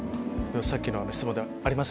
さっきの質問でありました。